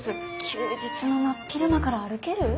休日の真っ昼間から歩ける？